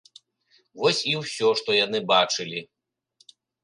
Вось і ўсё, што яны бачылі.